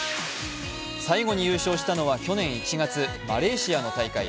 最後に優勝したのは去年１月、マレーシアの大会。